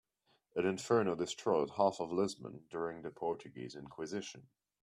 An inferno destroyed half of Lisbon during the Portuguese inquisition.